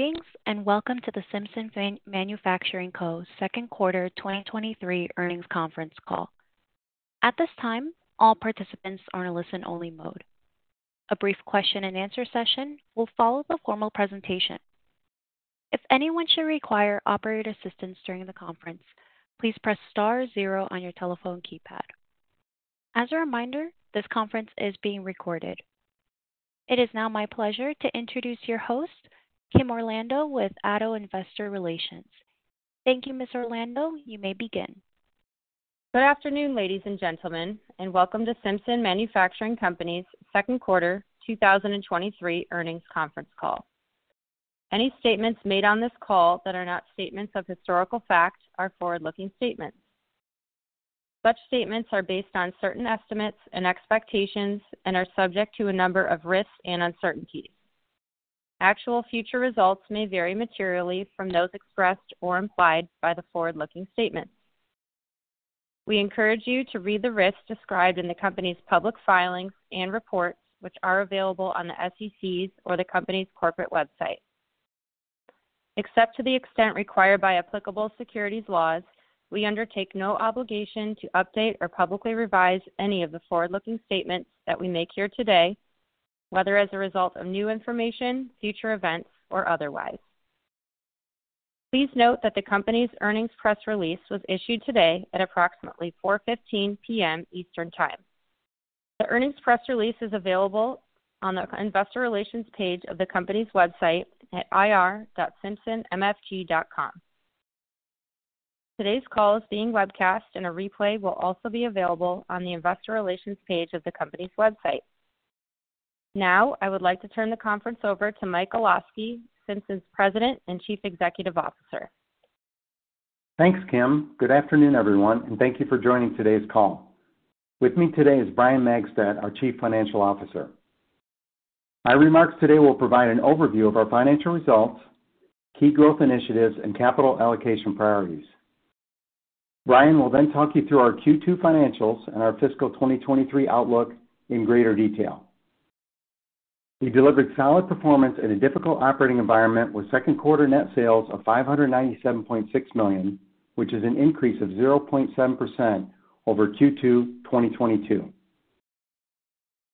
Greetings, welcome to the Simpson Manufacturing Co., Inc.'s Q2 2023 Earnings Conference Call. At this time, all participants are in listen-only mode. A brief question and answer session will follow the formal presentation. If anyone should require operator assistance during the conference, please press star zero on your telephone keypad. As a reminder, this conference is being recorded. It is now my pleasure to introduce your host, Kimberly Orlando, with ADDO Investor Relations. Thank you, Ms. Orlando. You may begin. Good afternoon, ladies and gentlemen, and welcome to Simpson Manufacturing Company's Q2 2023 Earnings Conference Call. Any statements made on this call that are not statements of historical fact are forward-looking statements. Such statements are based on certain estimates and expectations and are subject to a number of risks and uncertainties. Actual future results may vary materially from those expressed or implied by the forward-looking statements. We encourage you to read the risks described in the company's public filings and reports, which are available on the SEC's or the company's corporate website. Except to the extent required by applicable securities laws, we undertake no obligation to update or publicly revise any of the forward-looking statements that we make here today, whether as a result of new information, future events, or otherwise. Please note that the company's earnings press release was issued today at approximately 4:15 P.M. Eastern Time. The earnings press release is available on the investor relations page of the company's website at ir.simpsonmfg.com. Today's call is being webcast, and a replay will also be available on the investor relations page of the company's website. Now, I would like to turn the conference over to Mike Olosky, Simpson's President and Chief Executive Officer. Thanks, Kim. Good afternoon, everyone, thank you for joining today's call. With me today is Brian Magstadt, our Chief Financial Officer. My remarks today will provide an overview of our financial results, key growth initiatives, and capital allocation priorities. Brian will talk you through our Q2 financials and our fiscal 2023 outlook in greater detail. We delivered solid performance in a difficult operating environment with Q2 net sales of $597.6 million, which is an increase of 0.7% over Q2 2022.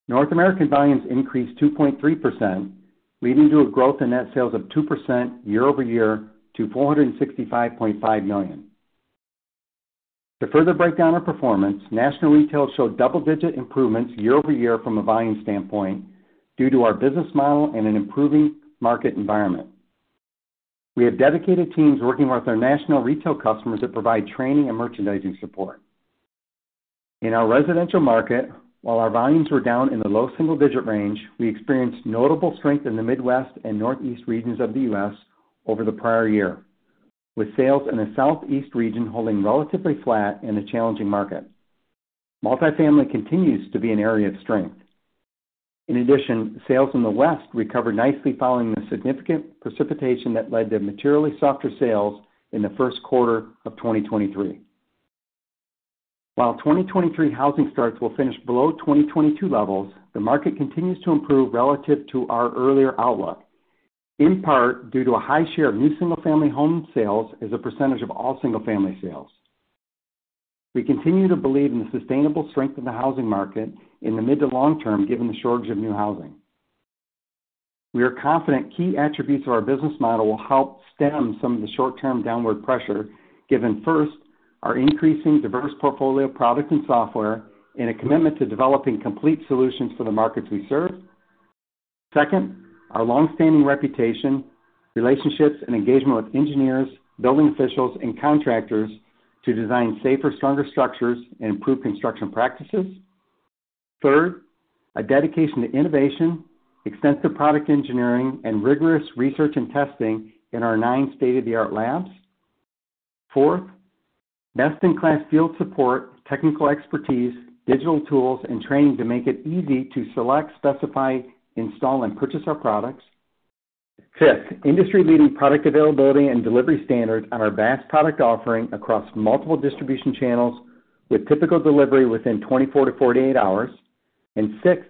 North American volumes increased 2.3%, leading to a growth in net sales of 2% year-over-year to $465.5 million. To further break down our performance, national retail showed double-digit improvements year-over-year from a buying standpoint due to our business model and an improving market environment. We have dedicated teams working with our national retail customers that provide training and merchandising support. In our residential market, while our volumes were down in the low single-digit range, we experienced notable strength in the Midwest and Northeast regions of the U.S over the prior year, with sales in the Southeast region holding relatively flat in a challenging market. Multifamily continues to be an area of strength. Sales in the West recovered nicely following the significant precipitation that led to materially softer sales in the Q1 of 2023. While 2023 housing starts will finish below 2022 levels, the market continues to improve relative to our earlier outlook, in part due to a high share of new single-family home sales as a % of all single-family sales. We continue to believe in the sustainable strength of the housing market in the mid to long term, given the shortage of new housing. We are confident key attributes of our business model will help stem some of the short-term downward pressure, given, first, our increasing diverse portfolio of products and software and a commitment to developing complete solutions for the markets we serve. Second, our long-standing reputation, relationships, and engagement with engineers, building officials, and contractors to design safer, stronger structures and improve construction practices. Third, a dedication to innovation, extensive product engineering, and rigorous research and testing in our 9 state-of-the-art labs. Fourth, best-in-class field support, technical expertise, digital tools, and training to make it easy to select, specify, install, and purchase our products. Fifth, industry-leading product availability and delivery standards on our vast product offering across multiple distribution channels with typical delivery within 24-48 hours. Sixth,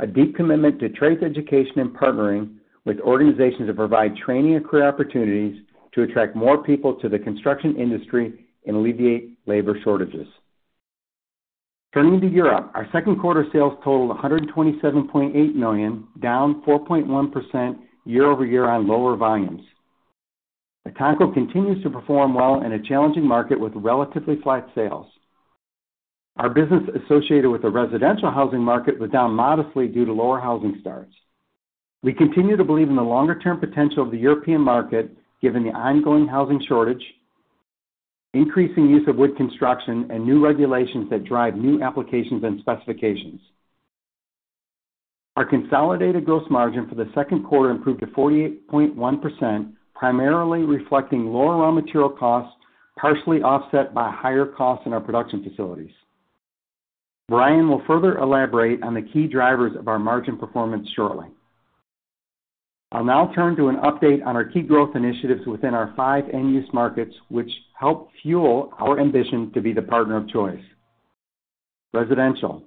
a deep commitment to trades education and partnering with organizations that provide training and career opportunities to attract more people to the construction industry and alleviate labor shortages. Turning to Europe, our Q2 sales totaled $127.8 million, down 4.1% year-over-year on lower volumes. ETANCO continues to perform well in a challenging market with relatively flat sales. Our business associated with the residential housing market was down modestly due to lower housing starts. We continue to believe in the longer-term potential of the European market, given the ongoing housing shortage, increasing use of wood construction, and new regulations that drive new applications and specifications. Our consolidated gross margin for the Q2 improved to 48.1%, primarily reflecting lower raw material costs, partially offset by higher costs in our production facilities. Brian will further elaborate on the key drivers of our margin performance shortly. I'll now turn to an update on our key growth initiatives within our five end-use markets, which help fuel our ambition to be the partner of choice. Residential.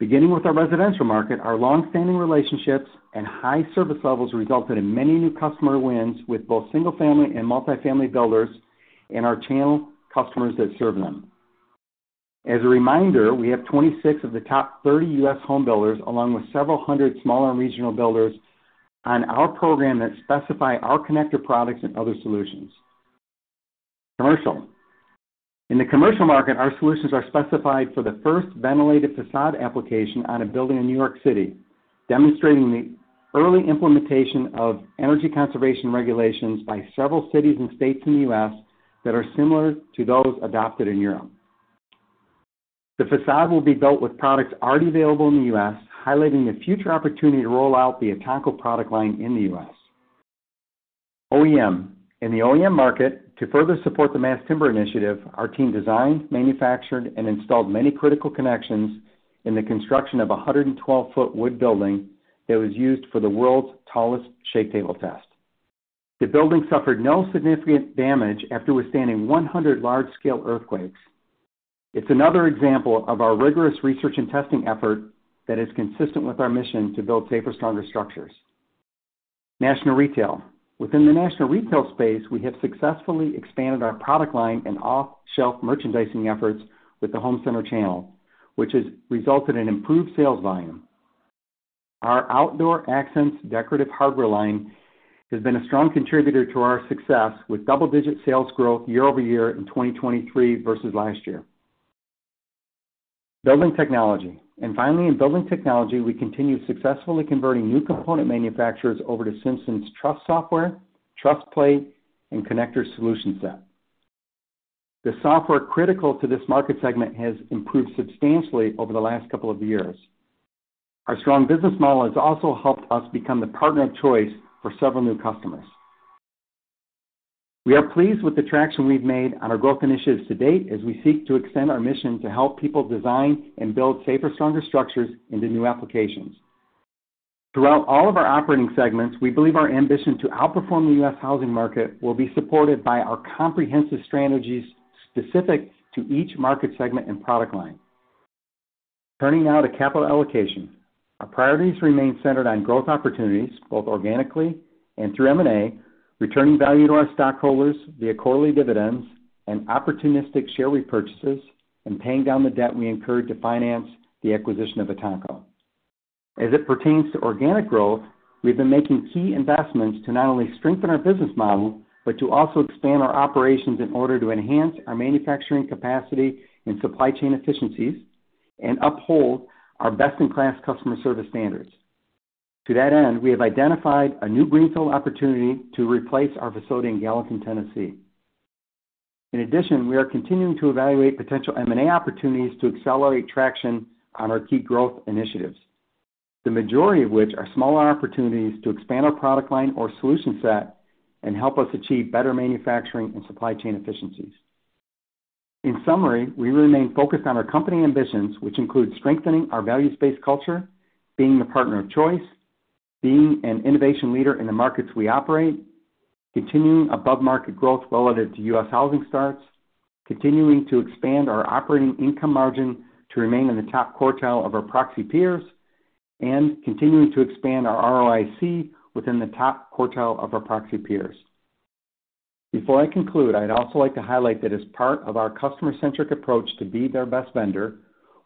Beginning with our residential market, our long-standing relationships and high service levels resulted in many new customer wins with both single-family and multi-family builders and our channel customers that serve them. As a reminder, we have 26 of the top 30 U.S. home builders, along with several hundred smaller regional builders on our program that specify our connector products and other solutions. Commercial. In the commercial market, our solutions are specified for the first ventilated facade application on a building in New York City, demonstrating the early implementation of energy conservation regulations by several cities and states in the U.S that are similar to those adopted in Europe. The facade will be built with products already available in the U.S., highlighting the future opportunity to roll out the ETANCO product line in the U.S. OEM. In the OEM market, to further support the mass timber initiative, our team designed, manufactured, and installed many critical connections in the construction of a 112-foot wood building that was used for the world's tallest shake table test. The building suffered no significant damage after withstanding 100 large-scale earthquakes. It's another example of our rigorous research and testing effort that is consistent with our mission to build safer, stronger structures. National retail. Within the national retail space, we have successfully expanded our product line and off-the-shelf merchandising efforts with the home center channel, which has resulted in improved sales volume. Our Outdoor Accents decorative hardware line has been a strong contributor to our success, with double-digit sales growth year-over-year in 2023 versus last year. Building technology. Finally, in building technology, we continue successfully converting new component manufacturers over to Simpson's truss software, truss plate, and connector solution set. The software critical to this market segment has improved substantially over the last couple of years. Our strong business model has also helped us become the partner of choice for several new customers. We are pleased with the traction we've made on our growth initiatives to date, as we seek to extend our mission to help people design and build safer, stronger structures into new applications. Throughout all of our operating segments, we believe our ambition to outperform the U.S. housing market will be supported by our comprehensive strategies specific to each market segment and product line. Turning now to capital allocation. Our priorities remain centered on growth opportunities, both organically and through M&A, returning value to our stockholders via quarterly dividends and opportunistic share repurchases, and paying down the debt we incurred to finance the acquisition of ETANCO. As it pertains to organic growth, we've been making key investments to not only strengthen our business model, but to also expand our operations in order to enhance our manufacturing capacity and supply chain efficiencies and uphold our best-in-class customer service standards. To that end, we have identified a new greenfield opportunity to replace our facility in Gallatin, Tennessee. In addition, we are continuing to evaluate potential M&A opportunities to accelerate traction on our key growth initiatives, the majority of which are smaller opportunities to expand our product line or solution set and help us achieve better manufacturing and supply chain efficiencies. We remain focused on our company ambitions, which include strengthening our values-based culture, being the partner of choice, being an innovation leader in the markets we operate, continuing above-market growth relative to US housing starts, continuing to expand our operating income margin to remain in the top quartile of our proxy peers, and continuing to expand our ROIC within the top quartile of our proxy peers. Before I conclude, I'd also like to highlight that as part of our customer-centric approach to be their best vendor,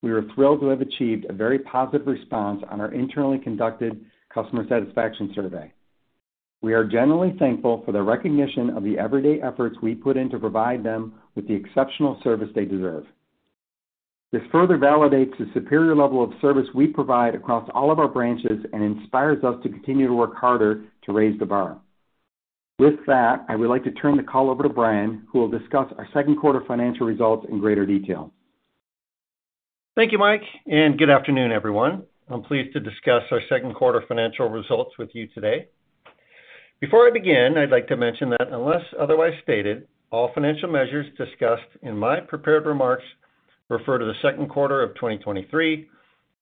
we are thrilled to have achieved a very positive response on our internally conducted customer satisfaction survey. We are genuinely thankful for the recognition of the everyday efforts we put in to provide them with the exceptional service they deserve. This further validates the superior level of service we provide across all of our branches and inspires us to continue to work harder to raise the bar. With that, I would like to turn the call over to Brian, who will discuss our Q2 financial results in greater detail. Thank you, Mike. Good afternoon, everyone. I'm pleased to discuss our Q2 financial results with you today. Before I begin, I'd like to mention that unless otherwise stated, all financial measures discussed in my prepared remarks refer to the Q2 of 2023,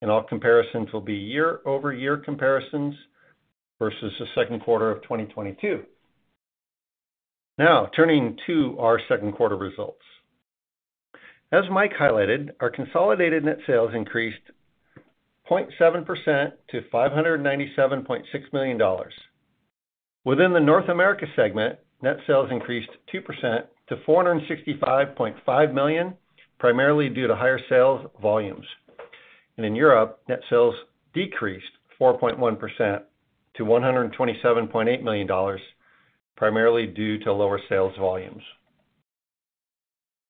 and all comparisons will be year-over-year comparisons versus the Q2 of 2022. Now, turning to our Q2 results. As Mike highlighted, our consolidated net sales increased 0.7% to $597.6 million. Within the North America segment, net sales increased 2% to $465.5 million, primarily due to higher sales volumes. In Europe, net sales decreased 4.1% to $127.8 million, primarily due to lower sales volumes.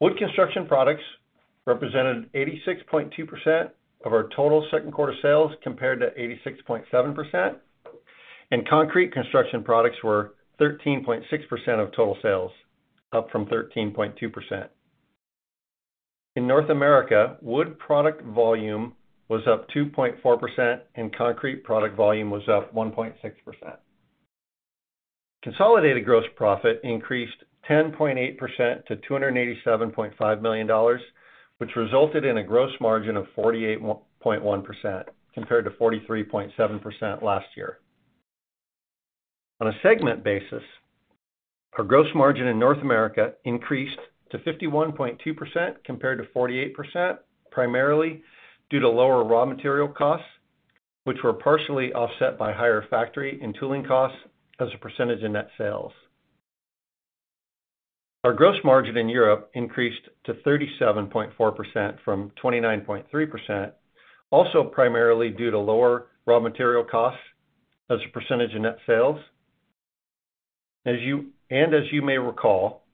Wood construction products represented 86.2% of our total Q2 sales, compared to 86.7%, and concrete construction products were 13.6% of total sales, up from 13.2%. In North America, wood product volume was up 2.4%, and concrete product volume was up 1.6%. Consolidated gross profit increased 10.8% to $287.5 million, which resulted in a gross margin of 48.1%, compared to 43.7% last year. On a segment basis, our gross margin in North America increased to 51.2% compared to 48%, primarily due to lower raw material costs, which were partially offset by higher factory and tooling costs as a percentage of net sales. Our gross margin in Europe increased to 37.4% from 29.3%, also primarily due to lower raw material costs as a percentage of net sales. As you may recall,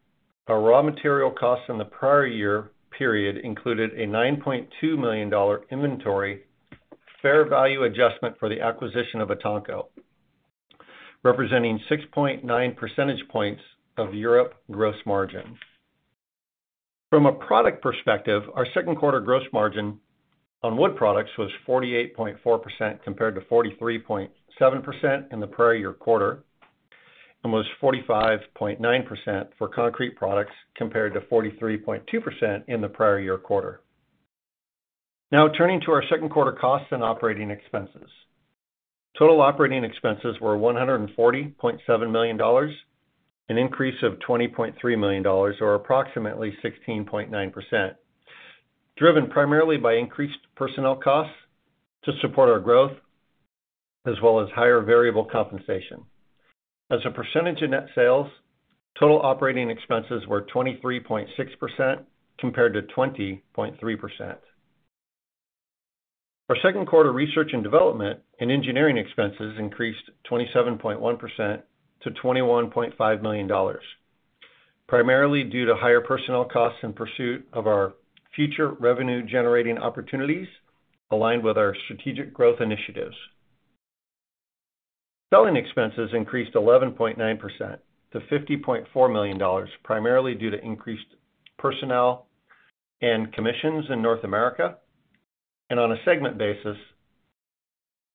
our raw material costs in the prior year period included a $9.2 million inventory fair value adjustment for the acquisition of ETANCO, representing 6.9 percentage points of Europe gross margin. From a product perspective, our Q2 gross margin on wood products was 48.4% compared to 43.7% in the prior year quarter, and was 45.9% for concrete products, compared to 43.2% in the prior year quarter. Turning to our Q2 costs and operating expenses. Total operating expenses were $140.7 million, an increase of $20.3 million, or approximately 16.9%, driven primarily by increased personnel costs to support our growth, as well as higher variable compensation. As a percentage of net sales, total operating expenses were 23.6% compared to 20.3%. Our Q2 research and development and engineering expenses increased 27.1% to $21.5 million, primarily due to higher personnel costs in pursuit of our future revenue-generating opportunities aligned with our strategic growth initiatives. Selling expenses increased 11.9% to $50.4 million, primarily due to increased personnel and commissions in North America, and on a segment basis,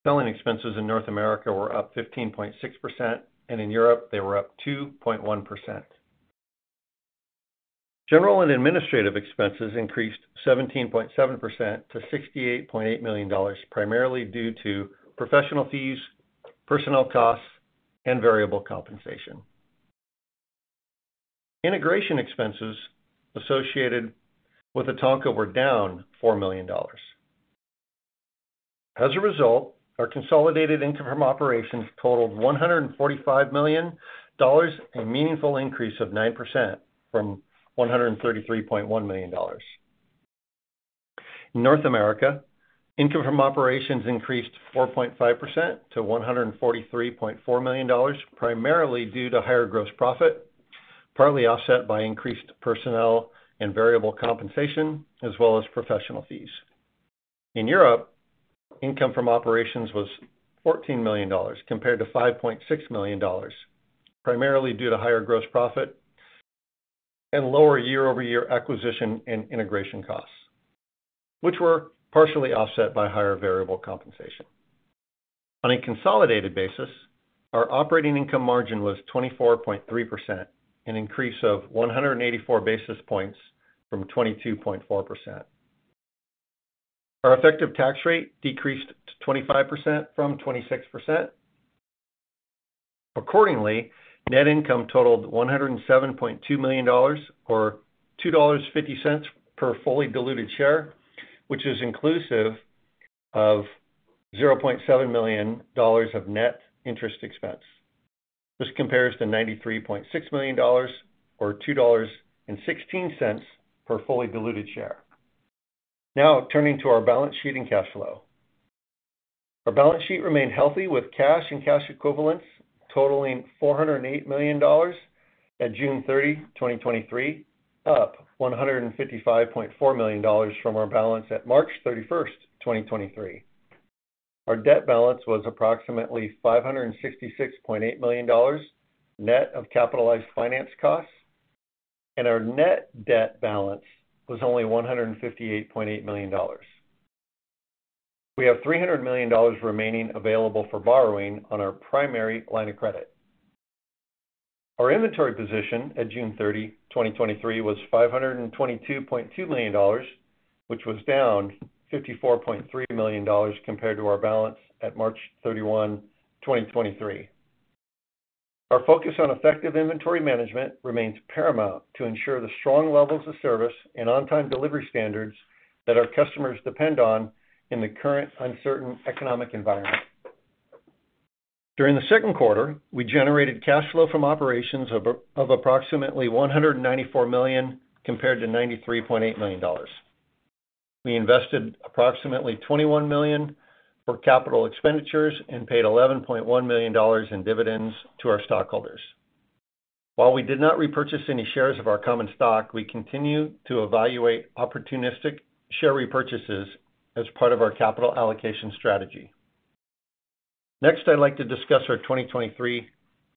selling expenses in North America were up 15.6%, and in Europe, they were up 2.1%. General and administrative expenses increased 17.7% to $68.8 million, primarily due to professional fees, personnel costs, and variable compensation. Integration expenses associated with ETANCO were down $4 million. As a result, our consolidated income from operations totaled $145 million, a meaningful increase of 9% from $133.1 million. In North America, income from operations increased 4.5% to $143.4 million, primarily due to higher gross profit, partly offset by increased personnel and variable compensation, as well as professional fees. In Europe, income from operations was $14 million, compared to $5.6 million, primarily due to higher gross profit and lower year-over-year acquisition and integration costs, which were partially offset by higher variable compensation. On a consolidated basis, our operating income margin was 24.3%, an increase of 184 basis points from 22.4%. Our effective tax rate decreased to 25% from 26%. Accordingly, net income totaled $107.2 million, or $2.50 per fully diluted share, which is inclusive of $0.7 million of net interest expense. This compares to $93.6 million or $2.16 per fully diluted share. Now, turning to our balance sheet and cash flow. Our balance sheet remained healthy, with cash and cash equivalents totaling $408 million at June 30, 2023, up $155.4 million from our balance at March 31st, 2023. Our debt balance was approximately $566.8 million, net of capitalized finance costs, and our net debt balance was only $158.8 million. We have $300 million remaining available for borrowing on our primary line of credit. Our inventory position at June 30, 2023, was $522.2 million, which was down $54.3 million compared to our balance at March 31, 2023. Our focus on effective inventory management remains paramount to ensure the strong levels of service and on-time delivery standards that our customers depend on in the current uncertain economic environment. During the Q2, we generated cash flow from operations of approximately $194 million, compared to $93.8 million. We invested approximately $21 million for CapEx and paid $11.1 million in dividends to our stockholders. While we did not repurchase any shares of our common stock, we continue to evaluate opportunistic share repurchases as part of our capital allocation strategy. I'd like to discuss our 2023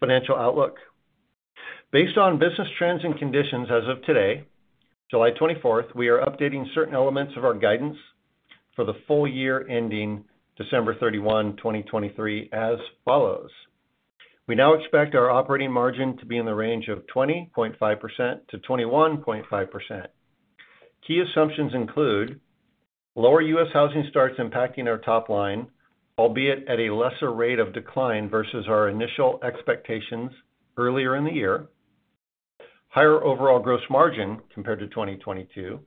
financial outlook. Based on business trends and conditions as of today, July 24th, we are updating certain elements of our guidance for the full year ending December 31, 2023, as follows: We now expect our operating margin to be in the range of 20.5%-21.5%. Key assumptions include lower US housing starts impacting our top line, albeit at a lesser rate of decline versus our initial expectations earlier in the year. Higher overall gross margin compared to 2022.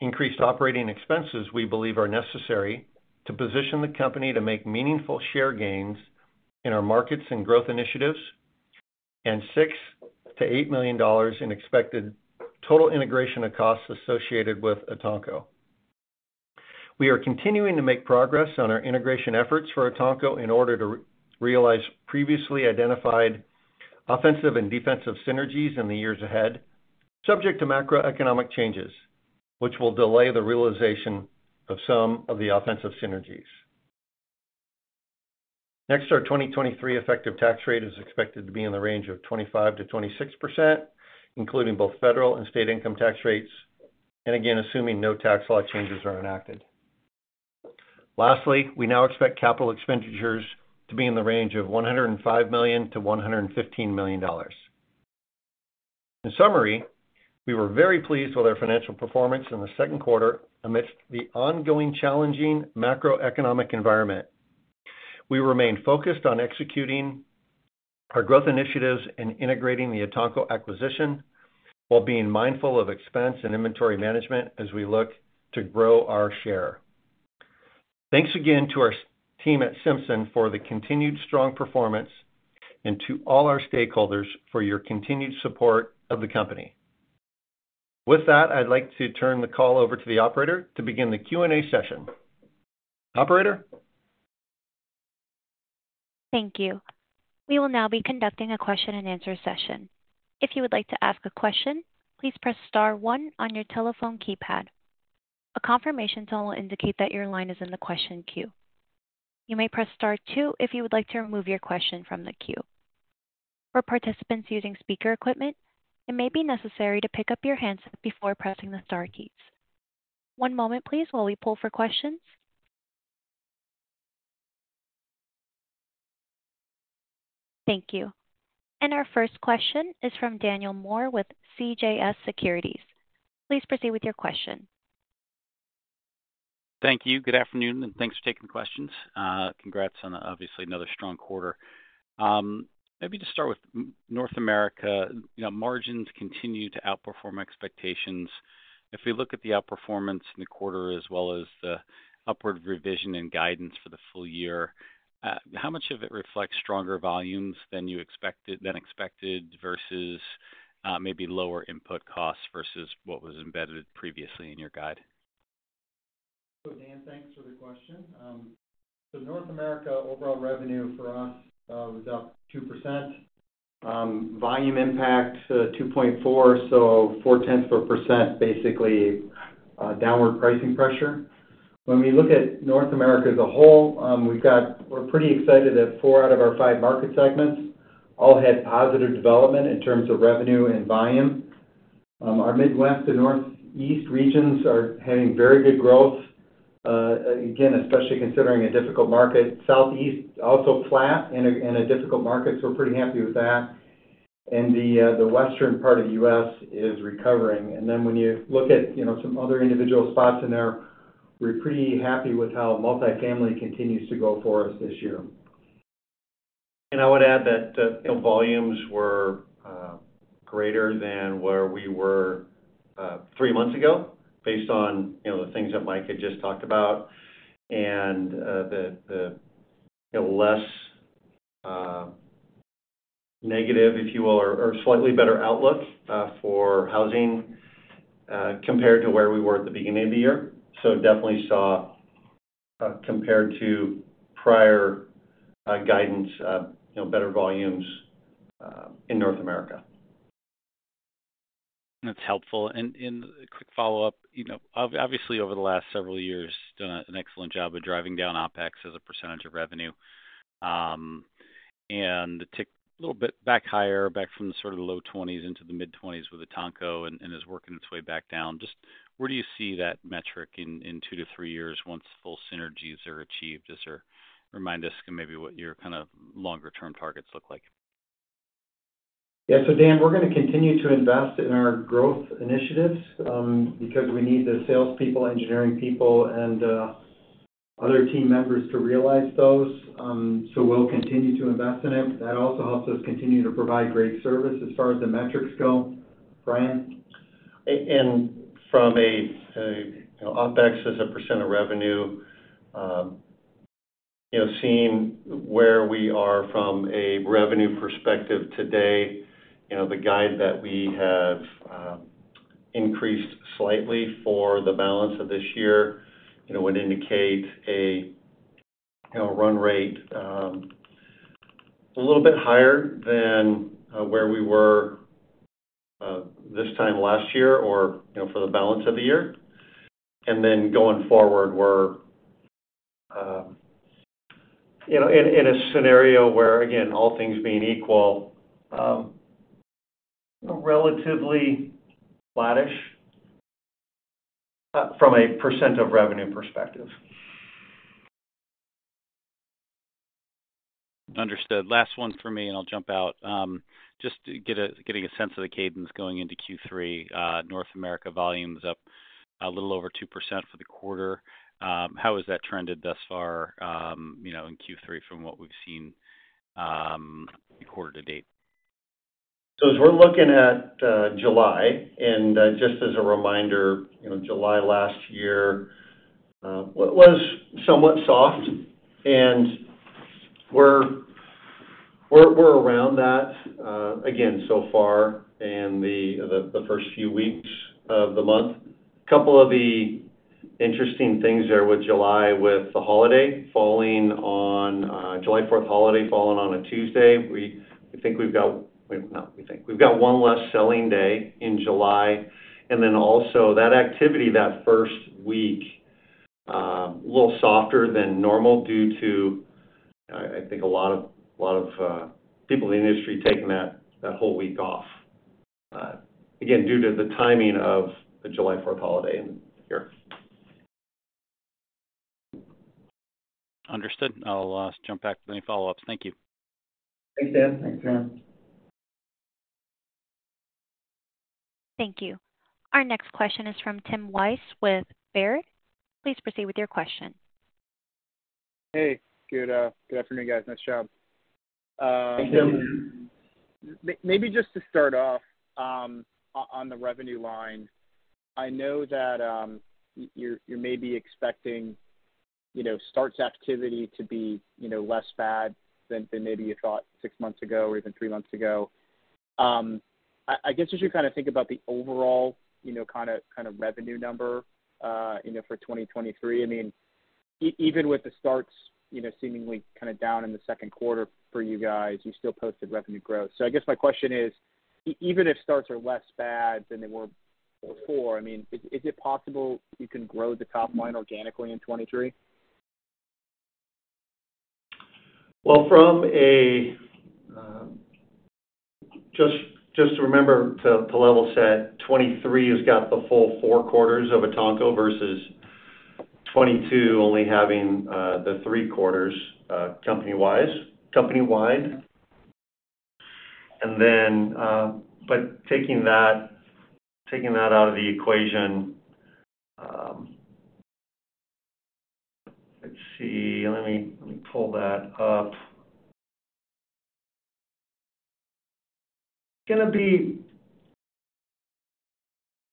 Increased operating expenses, we believe, are necessary to position the company to make meaningful share gains in our markets and growth initiatives, and $6-$8 million in expected total integration of costs associated with ETANCO. We are continuing to make progress on our integration efforts for ETANCO in order to realize previously identified offensive and defensive synergies in the years ahead, subject to macroeconomic changes, which will delay the realization of some of the offensive synergies. Our 2023 effective tax rate is expected to be in the range of 25%-26%, including both federal and state income tax rates, and again, assuming no tax law changes are enacted. We now expect capital expenditures to be in the range of $105 million-$115 million. In summary, we were very pleased with our financial performance in the Q2 amidst the ongoing challenging macroeconomic environment. We remain focused on executing our growth initiatives and integrating the ETANCO acquisition, while being mindful of expense and inventory management as we look to grow our share. Thanks again to our team at Simpson for the continued strong performance and to all our stakeholders for your continued support of the company. I'd like to turn the call over to the operator to begin the Q&A session. Operator? Thank you. We will now be conducting a question-and-answer session. If you would like to ask a question, please press star 1 on your telephone keypad. A confirmation tone will indicate that your line is in the question queue. You may press star 2 if you would like to remove your question from the queue. For participants using speaker equipment, it may be necessary to pick up your handset before pressing the star keys. One moment please while we pull for questions. Thank you. Our first question is from Daniel Moore with CJS Securities. Please proceed with your question. Thank you. Good afternoon, and thanks for taking the questions. Congrats on obviously another strong quarter. Maybe just start with North America. You know, margins continue to outperform expectations. If we look at the outperformance in the quarter, as well as the upward revision and guidance for the full year, how much of it reflects stronger volumes than expected, versus maybe lower input costs versus what was embedded previously in your guide? Dan, thanks for the question. North America, overall revenue for us was up 2%. Volume impact, 2.4, so 0.4%, basically, downward pricing pressure. When we look at North America as a whole, we're pretty excited that four out of our five market segments all had positive development in terms of revenue and volume. Our Midwest and Northeast regions are having very good growth, again, especially considering a difficult market. Southeast, also flat in a difficult market, so we're pretty happy with that. The western part of the U.S. is recovering. When you look at, you know, some other individual spots in there, we're pretty happy with how multifamily continues to go for us this year. I would add that, you know, volumes were greater than where we were 3 months ago, based on, you know, the things that Mike had just talked about, and the less negative, if you will, or slightly better outlook, for housing, compared to where we were at the beginning of the year. Definitely saw, compared to prior guidance, you know, better volumes in North America. That's helpful. A quick follow-up: You know, obviously, over the last several years, done an excellent job of driving down OpEx as a % of revenue. It ticked a little bit back higher, back from the sort of low 20s into the mid-20s with ETANCO and is working its way back down. Just where do you see that metric in 2 to 3 years once full synergies are achieved? Just remind us maybe what your kind of longer-term targets look like. Yeah. Dan, we're gonna continue to invest in our growth initiatives, because we need the salespeople, engineering people, and other team members to realize those. We'll continue to invest in it. That also helps us continue to provide great service as far as the metrics go. Brian? From a, you know, OpEx as a % of revenue, you know, seeing where we are from a revenue perspective today, you know, the guide that we have increased slightly for the balance of this year, you know, would indicate a, you know, run rate a little bit higher than where we were this time last year or, you know, for the balance of the year. Then going forward, we're, you know, in a scenario where, again, all things being equal, relatively flattish from a % of revenue perspective. Understood. Last one for me, and I'll jump out. Just getting a sense of the cadence going into Q3, North America volume is up a little over 2% for the quarter. How has that trended thus far, you know, in Q3 from what we've seen, quarter-to-date? As we're looking at July, just as a reminder, you know, July last year was somewhat soft, and we're around that again, so far in the first few weeks of the month. Couple of the interesting things there with July, with the holiday falling on July 4th holiday falling on a Tuesday, I think we've got 1 less selling day in July. Then also, that activity, that first week, a little softer than normal due to, I think a lot of people in the industry taking that whole week off, again, due to the timing of the July 4th holiday in here. Understood. I'll jump back with any follow-ups. Thank you. Thanks, Dan. Thanks, Dan. Thank you. Our next question is from Timothy Wojs with Baird. Please proceed with your question. Hey, good afternoon, guys. Nice job. Hey, Tim. Maybe just to start off, on the revenue line. I know that, you may be expecting, you know, starts activity to be, you know, less bad than maybe you thought 6 months ago or even 3 months ago. I guess, as you kind of think about the overall, you know, kind of revenue number, you know, for 2023, I mean, even with the starts, you know, seemingly kind of down in the Q2 for you guys, you still posted revenue growth. I guess my question is: Even if starts are less bad than they were before, I mean, is it possible you can grow the top line organically in 2023? Well, from a, just to remember, to level set, 23 has got the full 4 quarters of ETANCO versus 22 only having the 3 quarters, company-wise, company-wide. Then, taking that out of the equation, let's see. Let me pull that up. Gonna be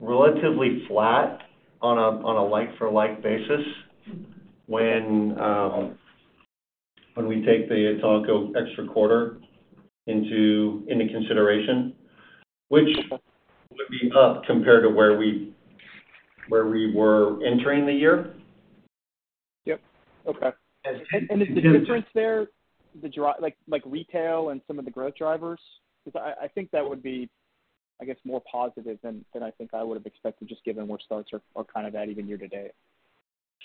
relatively flat on a like-for-like basis when we take the ETANCO extra quarter into consideration, which would be up compared to where we were entering the year. Yep. Okay. As- Is the difference there, like, retail and some of the growth drivers? Because I think that would be, I guess, more positive than I think I would have expected, just given where starts are kind of at even year to date.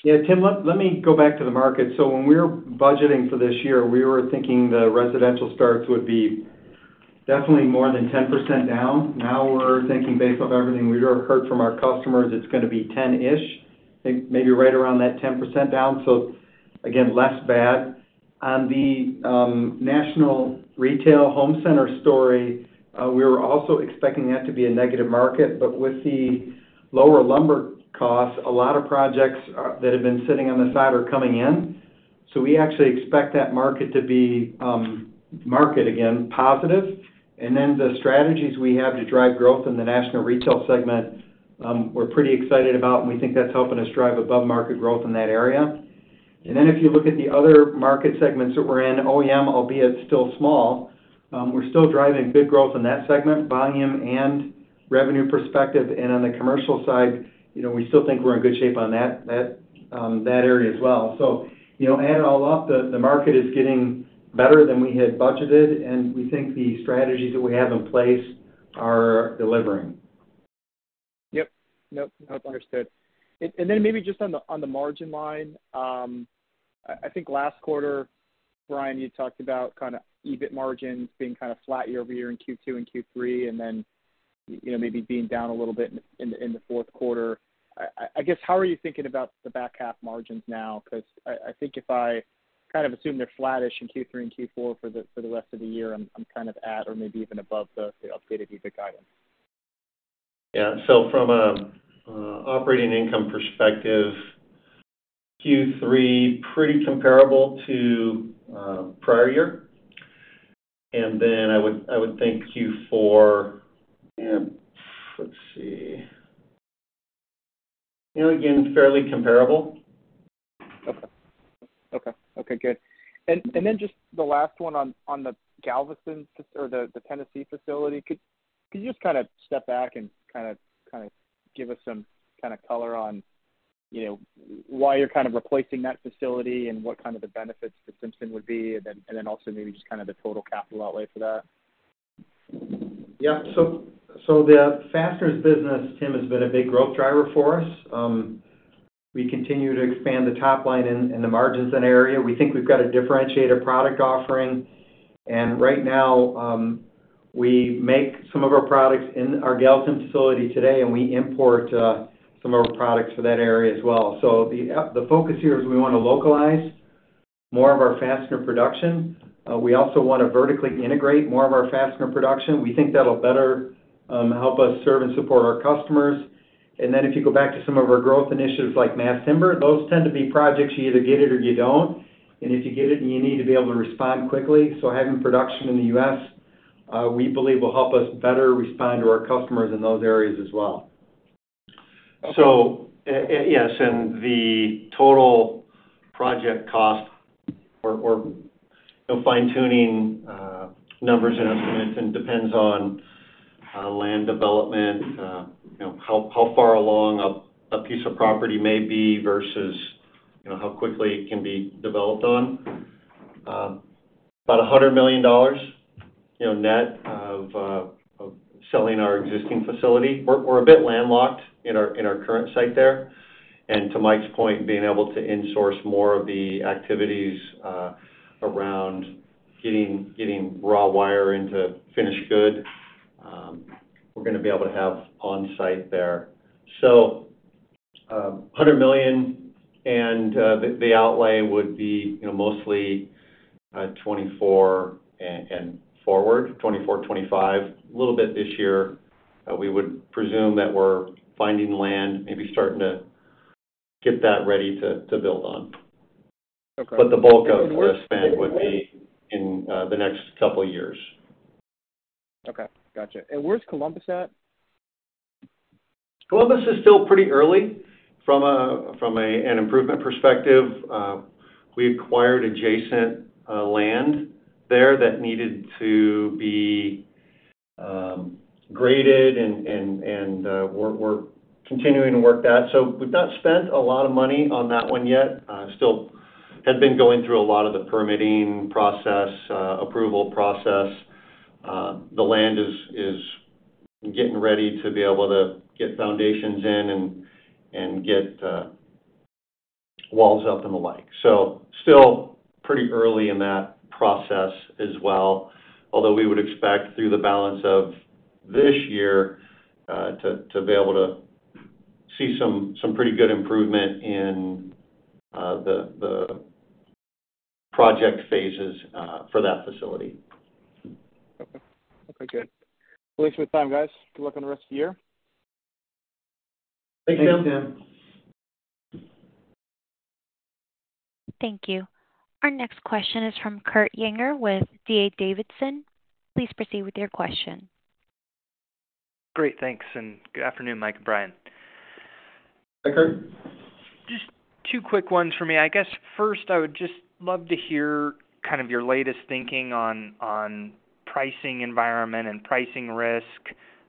Tim, let me go back to the market. When we were budgeting for this year, we were thinking the residential starts would be definitely more than 10% down. Now, we're thinking based off everything we've heard from our customers, it's going to be 10-ish, think maybe right around that 10% down. Again, less bad. On the national retail home center story, we were also expecting that to be a negative market, but with the lower lumber costs, a lot of projects that have been sitting on the side are coming in. We actually expect that market to be market again, positive. The strategies we have to drive growth in the national retail segment, we're pretty excited about, and we think that's helping us drive above-market growth in that area. If you look at the other market segments that we're in, OEM, albeit still small, we're still driving good growth in that segment, volume and revenue perspective. On the commercial side, you know, we still think we're in good shape on that area as well. You know, add it all up, the market is getting better than we had budgeted, and we think the strategies that we have in place are delivering. Yep. Yep, understood. Then maybe just on the margin line. I think last quarter, Brian, you talked about kind of EBIT margins being kind of flat year-over-year in Q2 and Q3, and then, you know, maybe being down a little bit in the Q4. I guess, how are you thinking about the back half margins now? I think if I kind of assume they're flattish in Q3 and Q4 for the rest of the year, I'm kind of at or maybe even above the updated EBIT guidance. Yeah. From a operating income perspective, Q3, pretty comparable to prior year. Then I would think Q4, and let's see. You know, again, fairly comparable. Okay, okay, good. Then just the last one on the Gallatin or the Tennessee facility. Could you just kind of step back and kind of give us some kind of color on, you know, why you're kind of replacing that facility and what kind of the benefits to Simpson would be, and then also maybe just kind of the total capital outlay for that? Yeah. The fasteners business, Tim, has been a big growth driver for us. We continue to expand the top line and the margins in that area. We think we've got a differentiator product offering, and right now. We make some of our products in our Gallatin facility today. We import some of our products for that area as well. The focus here is we want to localize more of our fastener production. We also want to vertically integrate more of our fastener production. We think that'll better help us serve and support our customers. If you go back to some of our growth initiatives like mass timber, those tend to be projects you either get it or you don't. If you get it, you need to be able to respond quickly. Having production in the U.S., we believe will help us better respond to our customers in those areas as well. Yes, and the total project cost or, you know, fine-tuning numbers and estimates and depends on land development, you know, how far along a piece of property may be versus, you know, how quickly it can be developed on. About $100 million, you know, net of selling our existing facility. We're a bit landlocked in our current site there. To Mike's point, being able to insource more of the activities around getting raw wire into finished good, we're gonna be able to have on site there. $100 million, the outlay would be, you know, mostly 2024 and forward, 2024, 2025, a little bit this year. We would presume that we're finding land, maybe starting to get that ready to build on. Okay. The bulk of where to spend would be in the next couple of years. Okay, gotcha. Where's Columbus at? Columbus is still pretty early from an improvement perspective. We acquired adjacent land there that needed to be graded, and we're continuing to work that. We've not spent a lot of money on that one yet. Still have been going through a lot of the permitting process, approval process. The land is getting ready to be able to get foundations in and get walls up and the like. Still pretty early in that process as well, although we would expect through the balance of this year to be able to see some pretty good improvement in the project phases for that facility. Okay. Okay, good. Well, thanks for your time, guys. Good luck on the rest of the year. Thanks, Tim. Thank you. Our next question is from Kurt Yinger with D.A. Davidson. Please proceed with your question. Great, thanks, good afternoon, Mike and Brian. Hi, Kurt. Just 2 quick ones for me. I guess first, I would just love to hear kind of your latest thinking on pricing environment and pricing risk.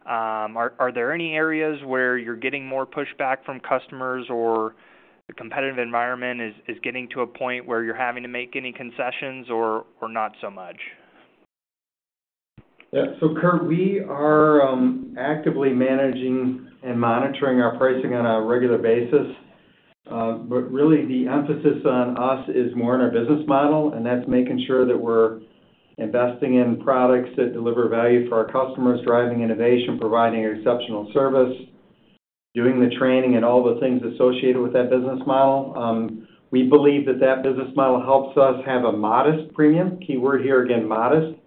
Are there any areas where you're getting more pushback from customers or the competitive environment is getting to a point where you're having to make any concessions or not so much? Yeah. Kurt, we are actively managing and monitoring our pricing on a regular basis. Really the emphasis on us is more on our business model, and that's making sure that we're investing in products that deliver value for our customers, driving innovation, providing exceptional service, doing the training and all the things associated with that business model. We believe that that business model helps us have a modest premium. Key word here again, modest,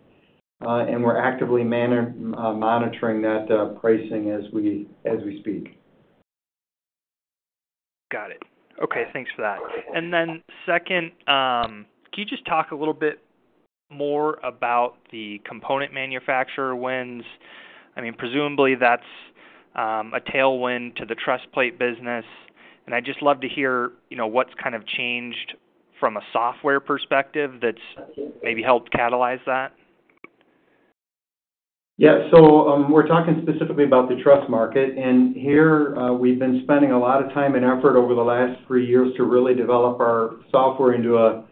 and we're actively monitoring that pricing as we, as we speak. Got it. Okay, thanks for that. Second, can you just talk a little bit more about the component manufacturer wins? I mean, presumably that's a tailwind to the truss plate business, and I'd just love to hear, you know, what's kind of changed from a software perspective that's maybe helped catalyze that. We're talking specifically about the truss market. Here, we've been spending a lot of time and effort over the last 3 years to really develop our software into a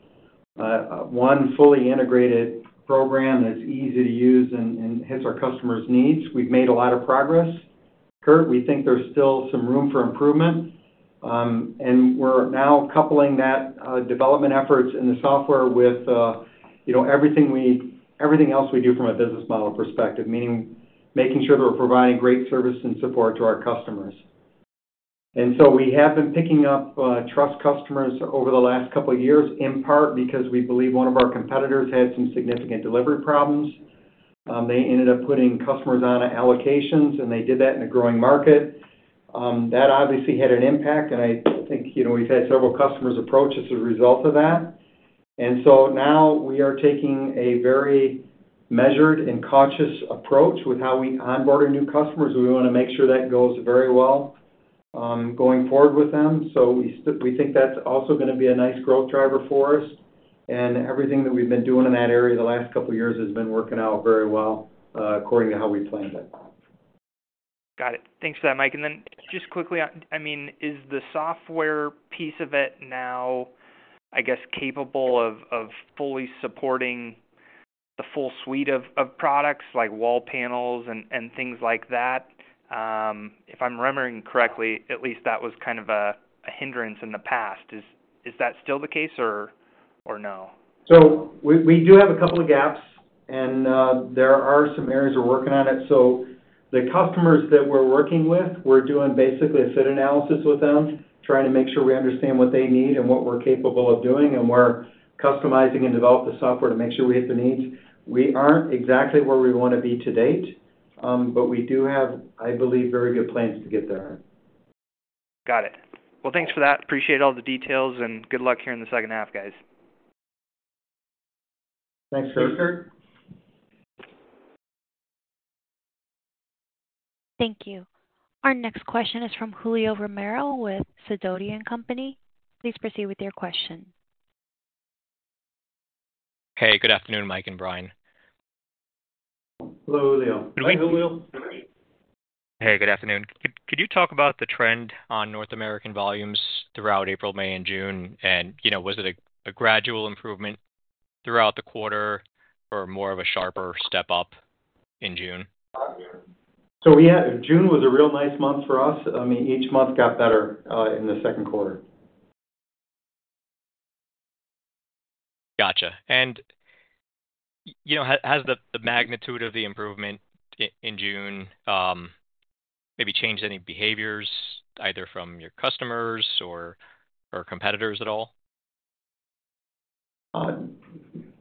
one fully integrated program that's easy to use and hits our customers' needs. We've made a lot of progress, Kurt. We think there's still some room for improvement. We're now coupling that development efforts in the software with, you know, everything else we do from a business model perspective, meaning making sure that we're providing great service and support to our customers. We have been picking up truss customers over the last 2 years, in part because we believe one of our competitors had some significant delivery problems. They ended up putting customers on allocations. They did that in a growing market. That obviously had an impact, and I think, you know, we've had several customers approach as a result of that. Now we are taking a very measured and cautious approach with how we onboard our new customers. We wanna make sure that goes very well, going forward with them. We think that's also gonna be a nice growth driver for us. Everything that we've been doing in that area the last couple of years has been working out very well, according to how we planned it. Got it. Thanks for that, Mike. Just quickly, I mean, is the software piece of it now, I guess, capable of fully supporting the full suite of products like wall panels and things like that? If I'm remembering correctly, at least that was kind of a hindrance in the past. Is that still the case, or? We do have a couple of gaps, and there are some areas we're working on it. The customers that we're working with, we're doing basically a fit analysis with them, trying to make sure we understand what they need and what we're capable of doing, and we're customizing and develop the software to make sure we hit the needs. We aren't exactly where we want to be to date, but we do have, I believe, very good plans to get there. Got it. Well, thanks for that. Appreciate all the details, and good luck here in the second half, guys. Thanks, Kurt. Thank you. Our next question is from Julio Romero with Sidoti & Company. Please proceed with your question. Hey, good afternoon, Mike and Brian. Hello, Julio. Hi, Julio. Hey, good afternoon. Could you talk about the trend on North American volumes throughout April, May, and June? You know, was it a gradual improvement throughout the quarter or more of a sharper step up in June? June was a real nice month for us. I mean, each month got better in the Q2. Gotcha. you know, has the magnitude of the improvement in June, maybe changed any behaviors, either from your customers or competitors at all?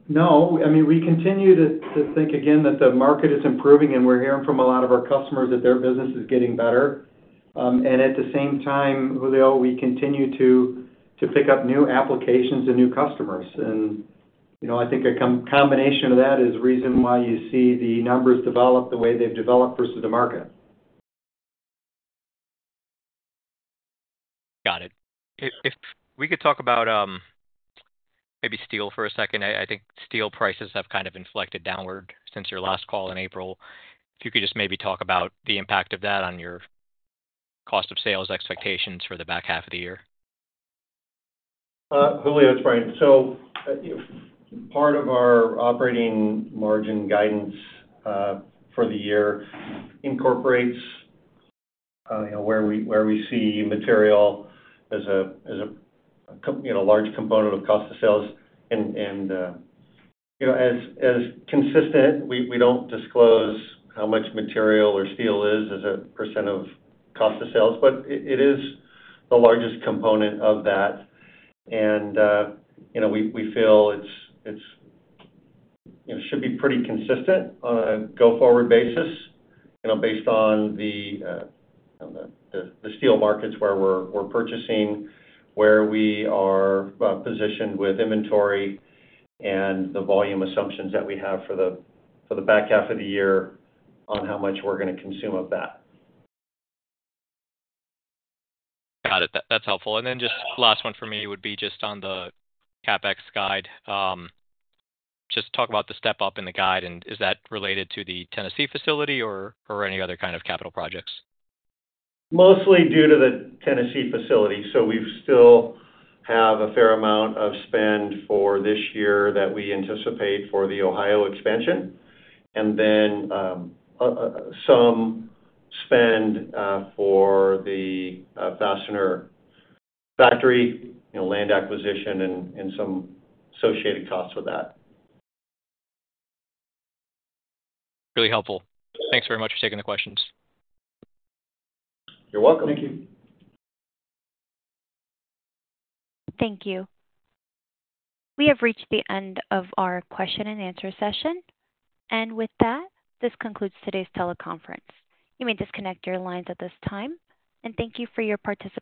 No. I mean, we continue to think again that the market is improving, and we're hearing from a lot of our customers that their business is getting better. At the same time, Julio, we continue to pick up new applications and new customers. You know, I think a combination of that is the reason why you see the numbers develop the way they've developed versus the market. Got it. If we could talk about maybe steel for a second. I think steel prices have kind of inflected downward since your last call in April. If you could just maybe talk about the impact of that on your cost of sales expectations for the back half of the year. Julio, it's Brian. part of our operating margin guidance for the year incorporates, you know, where we, where we see material as a, as a, you know, large component of cost of sales. you know, as consistent, we don't disclose how much material or steel is as a % of cost of sales, but it is the largest component of that. you know, we feel it's, you know, should be pretty consistent on a go-forward basis, you know, based on the, on the steel markets where we're purchasing, where we are, positioned with inventory and the volume assumptions that we have for the, for the back half of the year on how much we're gonna consume of that. Got it. That's helpful. Just last one for me would be just on the CapEx guide. Just talk about the step up in the guide, and is that related to the Tennessee facility or any other kind of capital projects? Mostly due to the Tennessee facility. We still have a fair amount of spend for this year that we anticipate for the Ohio expansion, and then some spend for the fastener factory, you know, land acquisition and some associated costs with that. Really helpful. Thanks very much for taking the questions. You're welcome. Thank you. Thank you. We have reached the end of our question and answer session. With that, this concludes today's teleconference. You may disconnect your lines at this time. Thank you for your participation.